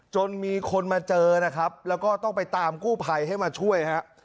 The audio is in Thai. จนมีคนมาเจอนะครับแล้วก็ต้องไปตามกู้ภัยให้มาช่วยฮะ